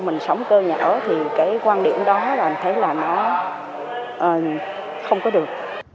mình sống cơ nhở thì cái quan điểm đó là mình thấy là nó không có được